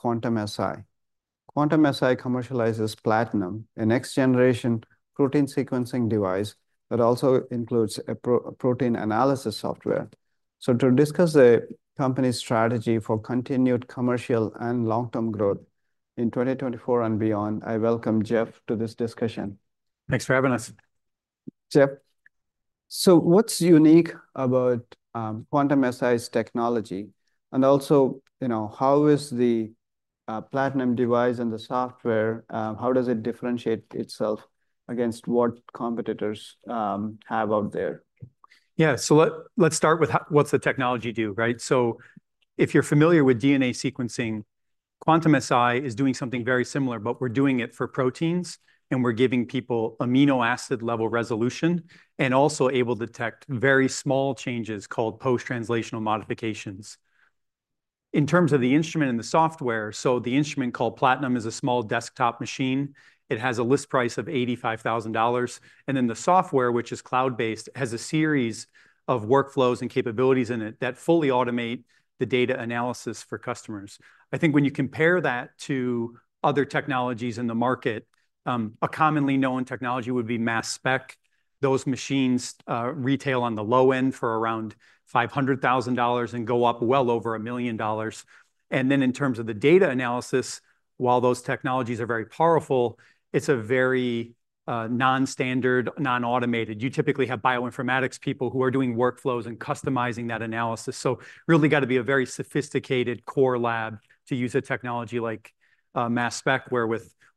Quantum-Si. Quantum-Si commercializes Platinum, a next-generation protein sequencing device that also includes a protein analysis software. To discuss the company's strategy for continued commercial and long-term growth in 2024 and beyond, I welcome Jeff to this discussion. Thanks for having us. Jeff, so what's unique about Quantum-Si's technology? Also how is the Platinum device and the software, how does it differentiate itself against what competitors have out there? Let's start with how, what's the technology do, right? So if you're familiar with DNA sequencing, Quantum-Si is doing something very similar, but we're doing it for proteins, and we're giving people amino acid-level resolution and also able to detect very small changes called post-translational modifications. In terms of the instrument and the software, so the instrument, called Platinum, is a small desktop machine. It has a list price of $85,000, and then the software, which is cloud-based, has a series of workflows and capabilities in it that fully automate the data analysis for customers. I think when you compare that to other technologies in the market, a commonly known technology would be mass spec. Those machines retail on the low end for around $500,000 and go up well over $1 million. Then in terms of the data analysis, while those technologies are very powerful, it's a very non-standard, non-automated. You typically have bioinformatics people who are doing workflows and customizing that analysis, so really gotta be a very sophisticated core lab to use a technology like mass spec, where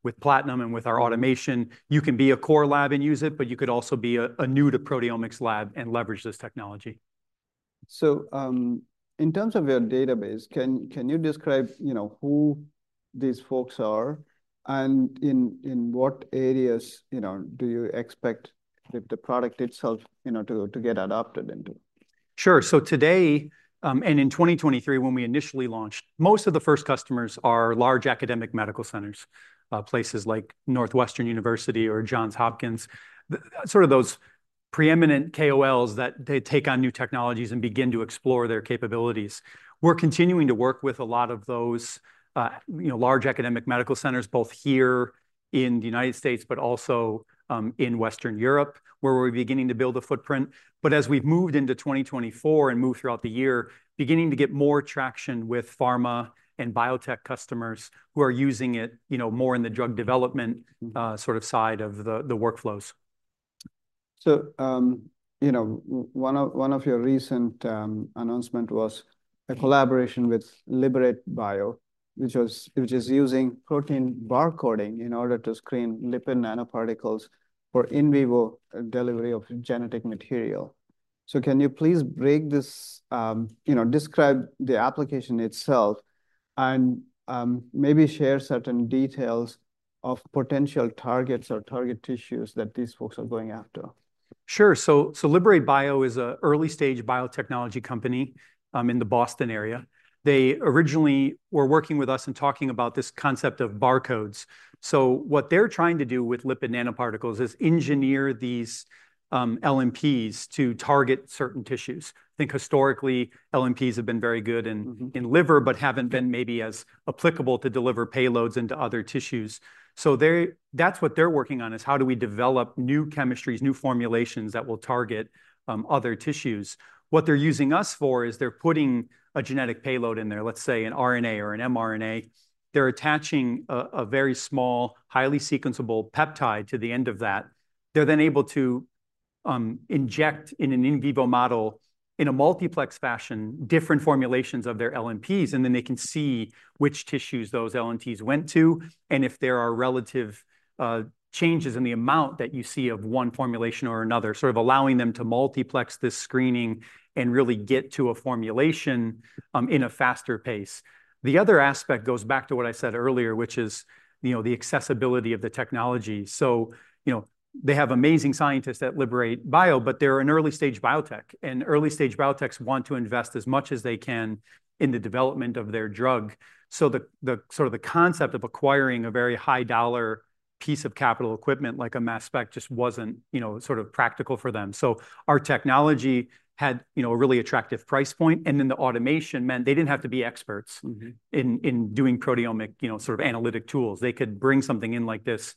with Platinum and with our automation, you can be a core lab and use it, but you could also be a new-to-proteomics lab and leverage this technology. In terms of your database, can you describe, who these folks are, and in what areas do you expect the product itself, you know, to get adopted into? Sure. Today, and in 2023, when we initially launched, most of the first customers are large academic medical centers, places like Northwestern University or Johns Hopkins those preeminent KOLs, that they take on new technologies and begin to explore their capabilities. We're continuing to work with a lot of those, you know, large academic medical centers, both here in the United States, but also, in Western Europe, where we're beginning to build a footprint. But as we've moved into 2024 and moved throughout the year, beginning to get more traction with pharma and biotech customers who are using it, you know, more in the drug development side of the workflows. One of your recent announcement was a collaboration with Liberate Bio, which is using protein barcoding in order to screen lipid nanoparticles for in vivo delivery of genetic material. Can you please break this describe the application itself and maybe share certain details of potential targets or target tissues that these folks are going after? Liberate Bio is an early-stage biotechnology company in the Boston area. They originally were working with us and talking about this concept of barcodes. What they're trying to do with lipid nanoparticles is engineer these LNPs to target certain tissues. I think historically, LNPs have been very good in liver, but haven't been maybe as applicable to deliver payloads into other tissues. That's what they're working on, is: how do we develop new chemistries, new formulations that will target other tissues? What they're using us for is they're putting a genetic payload in there, let's say an RNA or an mRNA. They're attaching a, a very small, highly sequenceable peptide to the end of that. They're then able to inject in an in vivo model, in a multiplex fashion, different formulations of their LNPs, and then they can see which tissues those LNPs went to and if there are relative changes in the amount that you see of one formulation or another allowing them to multiplex this screening and really get to a formulation in a faster pace. The other aspect goes back to what I said earlier, which is, you know, the accessibility of the technology. They have amazing scientists at Liberate Bio, but they're an early-stage biotech, and early-stage biotechs want to invest as much as they can in the development of their drug. The concept of acquiring a very high-dollar piece of capital equipment, like a mass spec, just wasn't practical for them. Our technology had a really attractive price point, and then the automation meant they didn't have to be experts in doing proteomics analytic tools. They could bring something in like this,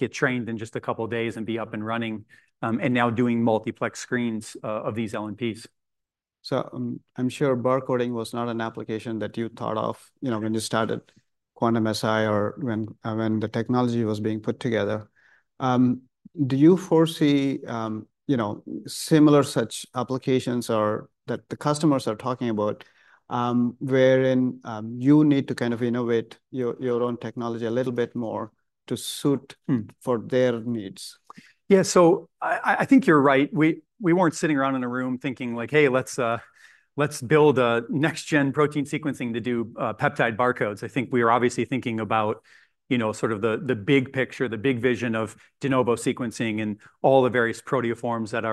get trained in just a couple of days, and be up and running, and now doing multiplex screens of these LNPs. I'm sure barcoding was not an application that you thought of, you know, when you started Quantum-Si or when the technology was being put together. Do you foresee, you know, similar such applications or that the customers are talking about, wherein you need to innovate your own technology a little bit more to suit for their needs? I think you're right. We weren't sitting around in a room thinking like, "Hey, let's build a next-gen protein sequencing to do peptide barcodes." I think we are obviously thinking about the big picture, the big vision of de novo sequencing and all the various proteoforms that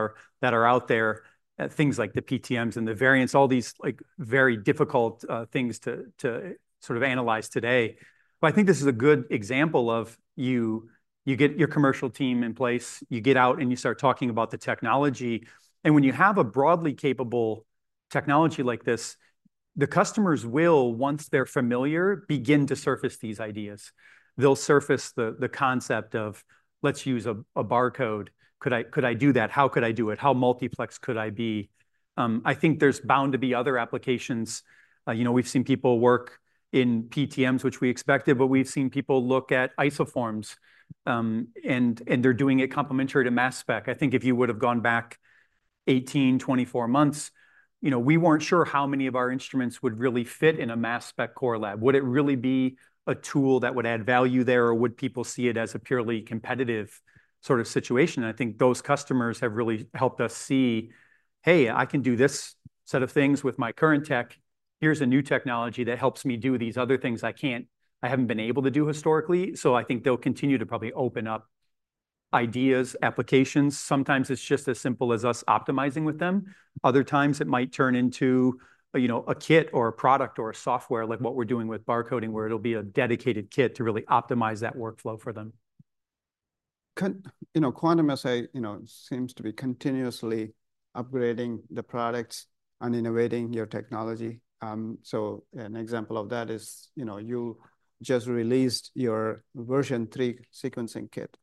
are out there, things like the PTMs and the variants, all these like very difficult things to analyze today. Well, I think this is a good example of you get your commercial team in place, you get out, and you start talking about the technology. When you have a broadly capable technology like this, the customers will, once they're familiar, begin to surface these ideas. They'll surface the concept of, "Let's use a barcode. Could I do that? How could I do it? How multiplex could I be?" I think there's bound to be other applications. We've seen people work in PTMs, which we expected, but we've seen people look at isoforms. They're doing it complementary to mass spec. I think if you would have gone back 18, 24 months, you know, we weren't sure how many of our instruments would really fit in a mass spec core lab. Would it really be a tool that would add value there, or would people see it as a purely competitive situation? I think those customers have really helped us see, "Hey, I can do this set of things with my current tech. Here's a new technology that helps me do these other things I can't, I haven't been able to do historically," so I think they'll continue to probably open up ideas, applications. Sometimes it's just as simple as us optimizing with them. Other times it might turn into a kit or a product or a software, like what we're doing with barcoding, where it'll be a dedicated kit to really optimize that workflow for them. Quantum-Si, you know, seems to be continuously upgrading the products and innovating your technology. So an example of that is, you know, you just released your Version 3 sequencing kit.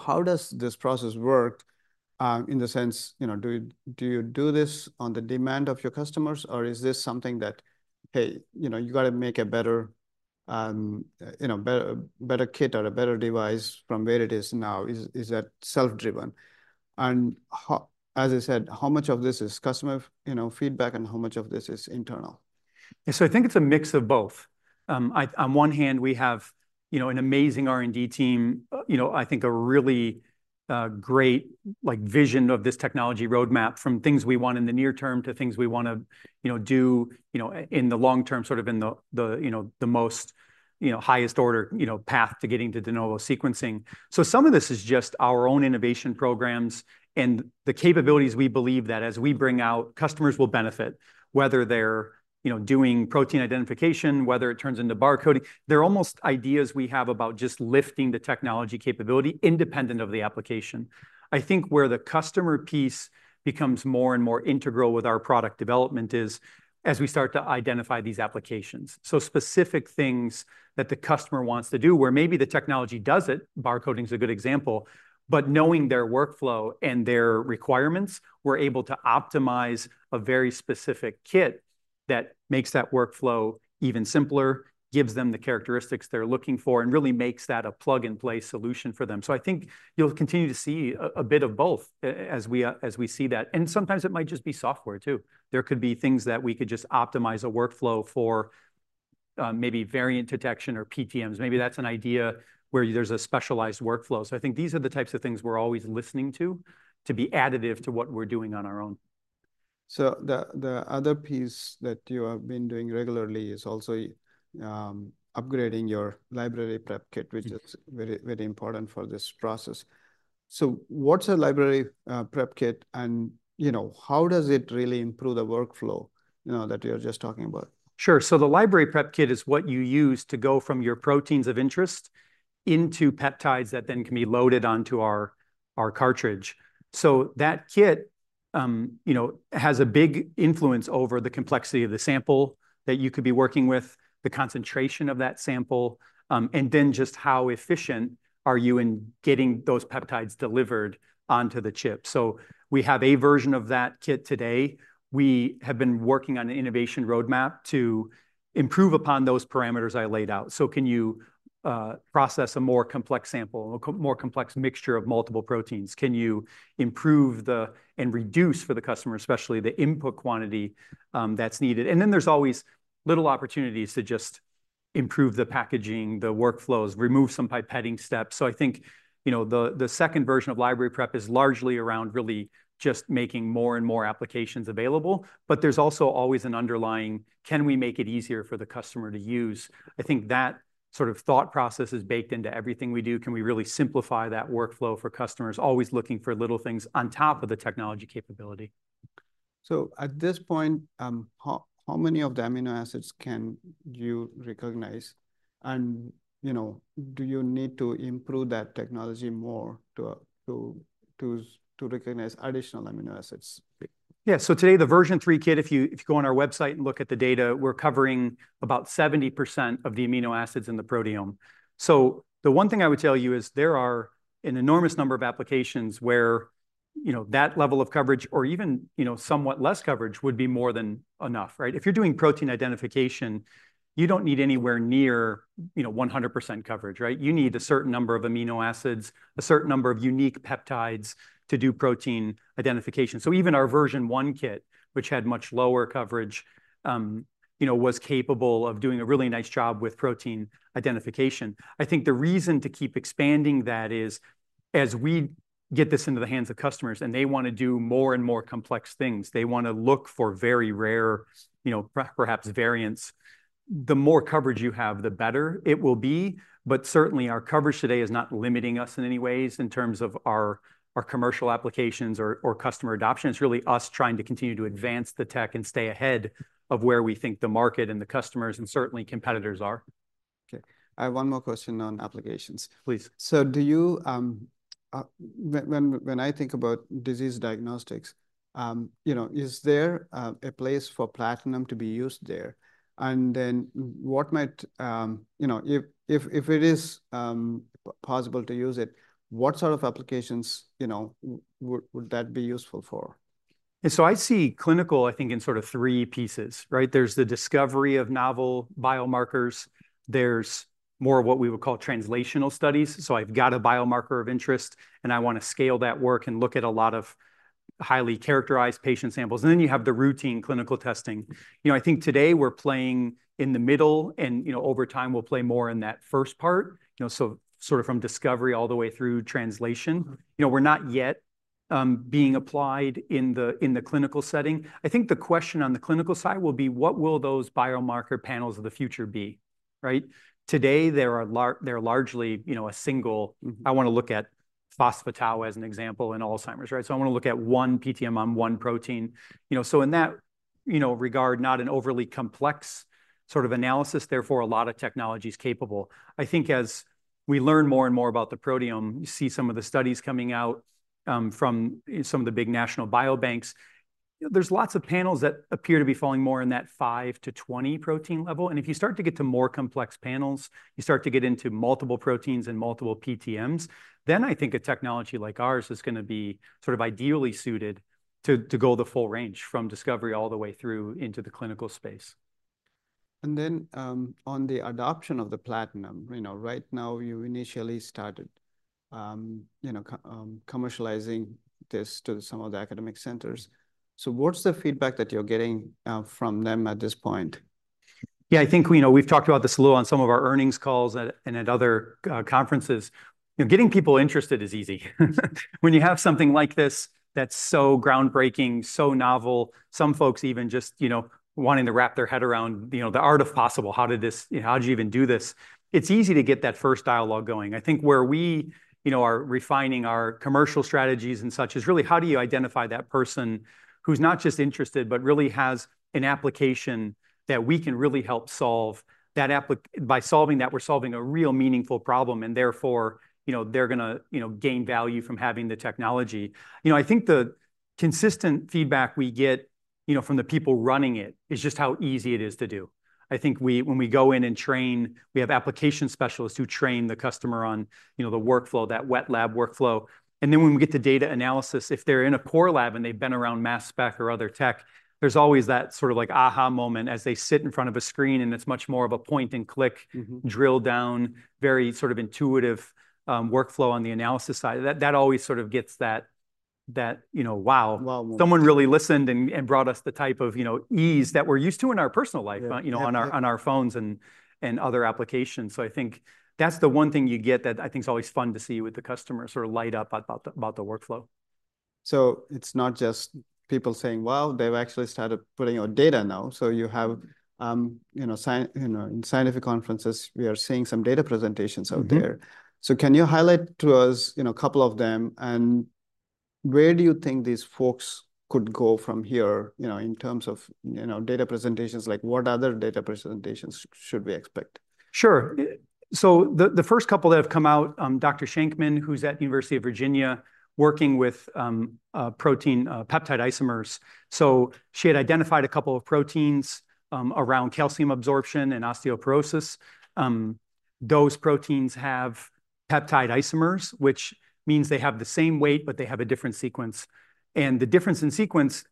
How does this process work, in the sense, do you do this on the demand of your customers, or is this something that, hey, you know, you got to make a better kit or a better device from where it is now? Is that self-driven? How, as I said, how much of this is customer, you know, feedback, and how much of this is internal? I think it's a mix of both. I on one hand, we have, you know, an amazing R&D team, you know, I think a really great, like, vision of this technology roadmap from things we want in the near term to things we want to, you know, do, you know, in the long term in the most highest order, you know, path to getting to de novo sequencing. So some of this is just our own innovation programs and the capabilities we believe that as we bring out, customers will benefit, whether they're, you know, doing protein identification, whether it turns into barcoding. They're almost ideas we have about just lifting the technology capability independent of the application. I think where the customer piece becomes more and more integral with our product development is as we start to identify these applications. So specific things that the customer wants to do, where maybe the technology does it, barcoding is a good example, but knowing their workflow and their requirements, we're able to optimize a very specific kit that makes that workflow even simpler, gives them the characteristics they're looking for, and really makes that a plug-and-play solution for them. So I think you'll continue to see a bit of both as we see that, and sometimes it might just be software too. There could be things that we could just optimize a workflow for, maybe variant detection or PTMs. Maybe that's an idea where there's a specialized workflow. I think these are the types of things we're always listening to, to be additive to what we're doing on our own. The other piece that you have been doing regularly is also upgrading your library prep kit, which is very, very important for this process. So what's a library prep kit? And, you know, how does it really improve the workflow, you know, that you're just talking about? The library prep kit is what you use to go from your proteins of interest into peptides that then can be loaded onto our cartridge. That kit has a big influence over the complexity of the sample that you could be working with, the concentration of that sample, and then just how efficient are you in getting those peptides delivered onto the chip. We have a version of that kit today. We have been working on an innovation roadmap to improve upon those parameters I laid out. Can you process a more complex sample, more complex mixture of multiple proteins? Can you improve the and reduce for the customer, especially the input quantity that's needed? Then there's always little opportunities to just improve the packaging, the workflows, remove some pipetting steps. I think the second version of library prep is largely around really just making more and more applications available, but there's also always an underlying, "Can we make it easier for the customer to use?" I think that thought process is baked into everything we do. Can we really simplify that workflow for customers, always looking for little things on top of the technology capability? At this point, how many of the amino acids can you recognize? Do you need to improve that technology more to recognize additional amino acids? Today, the Version 3 kit, if you go on our website and look at the data, we're covering about 70% of the amino acids in the proteome. The one thing I would tell you is there are an enormous number of applications where that level of coverage or even, you know, somewhat less coverage would be more than enough, right? If you're doing protein identification, you don't need anywhere near, you know, 100% coverage, right? You need a certain number of amino acids, a certain number of unique peptides to do protein identification. Even our Version 1 kit, which had much lower coverage, was capable of doing a really nice job with protein identification. I think the reason to keep expanding that is, as we get this into the hands of customers, and they want to do more and more complex things, they want to look for very rare, you know, perhaps variants, the more coverage you have, the better it will be. Certainly, our coverage today is not limiting us in any ways in terms of our commercial applications or customer adoption. It's really us trying to continue to advance the tech and stay ahead of where we think the market and the customers, and certainly competitors are. I have one more question on applications. When I think about disease diagnostics, you know, is there a place for Platinum to be used there? And then what might, you know, if it is possible to use it, what applications, you know, would that be useful for? I see clinical, I think, in three pieces, right? There's the discovery of novel biomarkers. There's more of what we would call translational studies, so I've got a biomarker of interest, and I want to scale that work and look at a lot of highly characterized patient samples, and then you have the routine clinical testing. You know, I think today we're playing in the middle, and over time, we'll play more in that first part from discovery all the way through translation. Okay. We're not yet being applied in the clinical setting. I think the question on the clinical side will be: what will those biomarker panels of the future be, right? Today, they are largely, you know, a single. I want to look at phosphatase as an example in Alzheimer's, right? So I want to look at one PTM on one protein. You know, so in that, you know, regard, not an overly complex analysis, therefore, a lot of technology is capable. I think as we learn more and more about the proteome, you see some of the studies coming out from some of the big national biobanks. There's lots of panels that appear to be falling more in that five to 20 protein level, and if you start to get to more complex panels, you start to get into multiple proteins and multiple PTMs, then I think a technology like ours is going to be ideally suited to go the full range, from discovery all the way through into the clinical space. Then, on the adoption of the Platinum right now, you initially started commercializing this to some of the academic centers. What's the feedback that you're getting from them at this point? I think we've talked about this a little on some of our earnings calls at and at other conferences. Getting people interested is easy. When you have something like this that's so ground breaking, so novel, some folks even just wanting to wrap their head around the art of possible. How did this... You know, how do you even do this? It's easy to get that first dialogue going. I think where we are refining our commercial strategies and such, is really how do you identify that person who's not just interested, but really has an application that we can really help solve, that application by solving that, we're solving a real meaningful problem, and therefore, you know, they're going to, you know, gain value from having the technology. I think the consistent feedback we get, you know, from the people running it, is just how easy it is to do. I think we, when we go in and train, we have application specialists who train the customer on the workflow, that wet lab workflow. Then when we get to data analysis, if they're in a core lab and they've been around mass spec or other tech, there's always that like aha! moment as they sit in front of a screen, and it's much more of a point-and-click drill-down, very intuitive, workflow on the analysis side. That always gets that wow someone really listened and brought us the type of ease that we're used to in our personal life on our phones and other applications. I think that's the one thing you get that I think is always fun to see with the custome light up about the workflow. it's not just people saying, "Well," they've actually started putting out data now. you have in scientific conferences, we are seeing some data presentations out there. Can you highlight to us, you know, a couple of them, and where do you think these folks could go from here, you know, in terms of, you know, data presentations? Like, what other data presentations should we expect? Sure. The first couple that have come out, Dr. Schenkman, who's at University of Virginia, working with peptide isomers. She had identified a couple of proteins around calcium absorption and osteoporosis. Those proteins have peptide isomers, which means they have the same weight, but they have a different sequence. The difference in sequence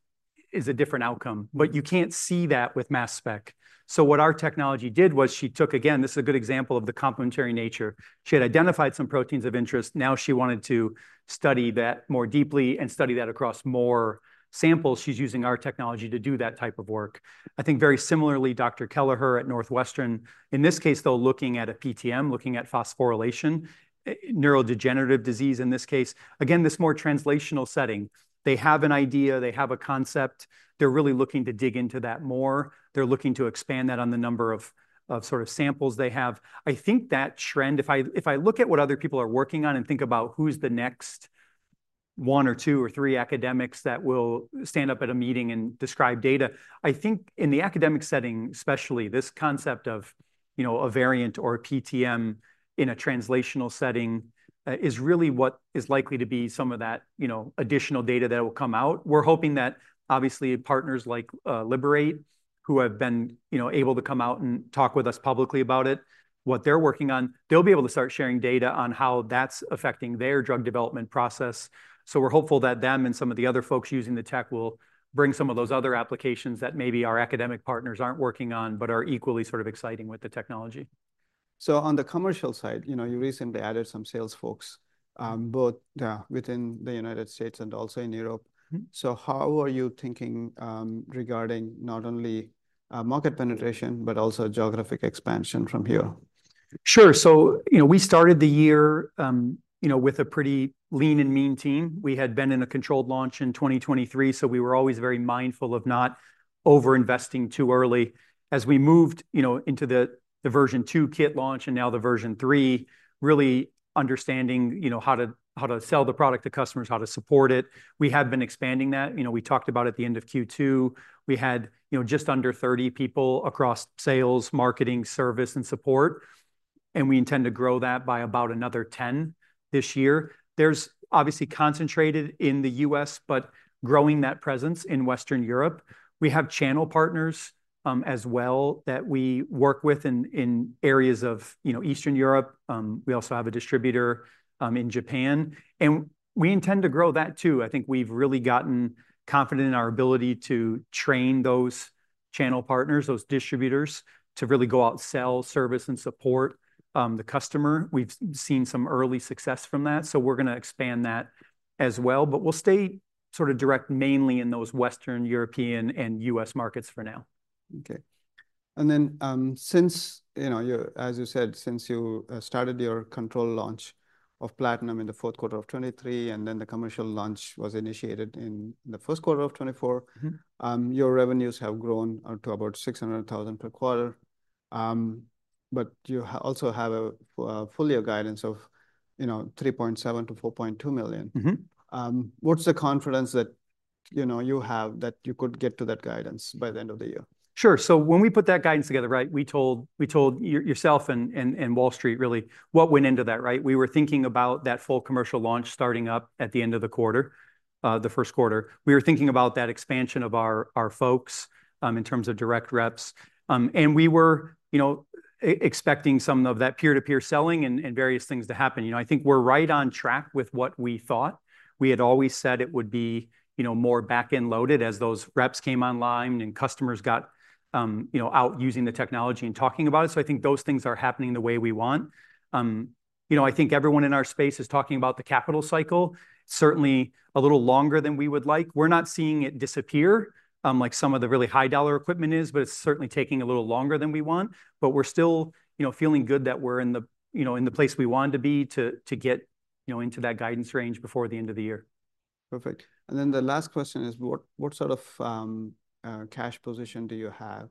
is a different outcome, but you can't see that with mass spec. What our technology did was she took. Again, this is a good example of the complementary nature. She had identified some proteins of interest, now she wanted to study that more deeply and study that across more samples. She's using our technology to do that type of work. I think very similarly, Dr. Kelleher at Northwestern, in this case, though, looking at a PTM, looking at phosphorylation, neurodegenerative disease in this case. Again, this more translational setting. They have an idea, they have a concept. They're really looking to dig into that more. They're looking to expand that on the number of samples they have. I think that trend, if I look at what other people are working on and think about who's the next one or two or three academics that will stand up at a meeting and describe data, I think in the academic setting, especially, this concept of, you know, a variant or a PTM in a translational setting is really what is likely to be some of that, you know, additional data that will come out. We're hoping that, obviously, partners like Liberate, who have been, you know, able to come out and talk with us publicly about it, what they're working on, they'll be able to start sharing data on how that's affecting their drug development process. We're hopeful that them and some of the other folks using the tech will bring some of those other applications that maybe our academic partners aren't working on, but are equally exciting with the technology. On the commercial side, you know, you recently added some sales folks both within the United States and also in Europe. How are you thinking regarding not only market penetration, but also geographic expansion from here? Sure. We started the year with a pretty lean and mean team. We had been in a controlled launch in 2023, so we were always very mindful of not over-investing too early. As we moved, you know, into the Version 2 kit launch, and now the Version 3, really understanding, you know, how to sell the product to customers, how to support it. We have been expanding that. We talked about at the end of Q2, we had, you know, just under 30 people across sales, marketing, service, and support. We intend to grow that by about another 10 this year. There's obviously concentrated in the U.S., but growing that presence in Western Europe. We have channel partners, as well, that we work with in areas of, you know, Eastern Europe. We also have a distributor in Japan, and we intend to grow that, too. I think we've really gotten confident in our ability to train those channel partners, those distributors, to really go out and sell, service, and support the customer. We've seen some early success from that, so we're gonna expand that as well, but we'll stay direct mainly in those Western European and US markets for now. Okay. And then, since as you said, since you started your controlled launch of Platinum in the fourth quarter of 2023, and then the commercial launch was initiated in the first quarter of 2024. Your revenues have grown to about $600,000 per quarter, but you also have a full-year guidance of, you know, $3.7 million-$4.2 million. What's the confidence that, you know, you have, that you could get to that guidance by the end of the year? When we put that guidance together, right, we told yourself and Wall Street, really, what went into that, right? We were thinking about that full commercial launch starting up at the end of the quarter, the first quarter. We were thinking about that expansion of our folks in terms of direct reps, and we were, you know, expecting some of that peer-to-peer selling and various things to happen. I think we're right on track with what we thought. We had always said it would be, you know, more back-end loaded as those reps came online and customers got, out using the technology and talking about it, so I think those things are happening the way we want. You know, I think everyone in our space is talking about the capital cycle. Certainly, a little longer than we would like. We're not seeing it disappear like some of the really high-dollar equipment is, but it's certainly taking a little longer than we want. But we're still, you know, feeling good that we're in the, you know, in the place we want to be, to get, you know, into that guidance range before the end of the year. Perfect, and then the last question is, what cash position do you have?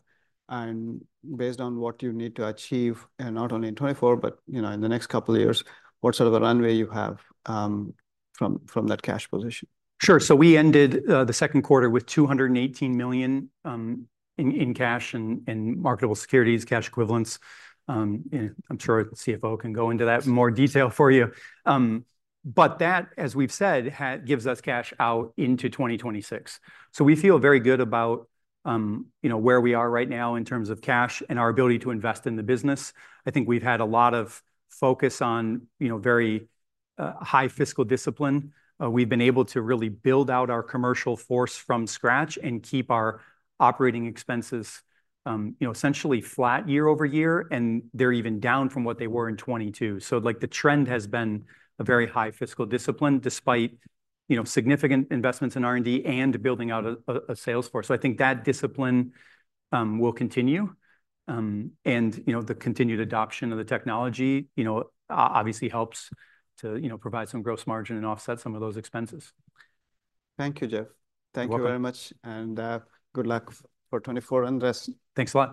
And based on what you need to achieve, and not only in 2024, but, you know, in the next couple of years, what a runway you have, from that cash position? We ended the second quarter with $218 million in cash and marketable securities, cash equivalents. And I'm sure CFO can go into that in more detail for you. But that, as we've said, gives us cash out into 2026. We feel very good about you know where we are right now in terms of cash and our ability to invest in the business. I think we've had a lot of focus on you know very high fiscal discipline. We've been able to really build out our commercial force from scratch and keep our operating expenses essentially flat year over year, and they're even down from what they were in 2022. Like, the trend has been a very high fiscal discipline, despite, you know, significant investments in R&D and building out a sales force. I think that discipline will continue. The continued adoption of the technology obviously helps to provide some gross margin and offset some of those expenses. Thank you, Jeff. You're welcome. Thank you very much, and good luck for 2024 and the rest. Thanks a lot.